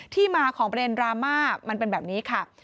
ที่มาของประเด็นดราม่ามันเป็นแบบนี้ค่ะ